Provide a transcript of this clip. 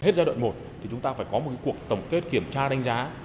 hết giai đoạn một thì chúng ta phải có một cuộc tổng kết kiểm tra đánh giá